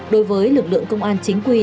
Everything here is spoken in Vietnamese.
đối với lực lượng công an chính quy